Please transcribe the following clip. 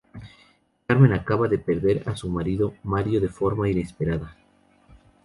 Carmen acaba de perder a su marido Mario de forma inesperada.